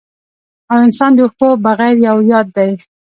او انسان د اوښکو بغير يو ياد دی